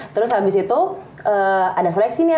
terus abis itu ada seleksi nih ya